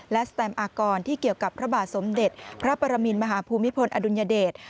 และสแตมอากรที่เกี่ยวกับพระบาทสมเด็จพระปรมินมหาภูมิพลอดุลยเดช